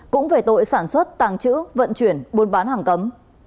cũng về tội sản xuất tàng trữ vận chuyển buôn bán hàng cấm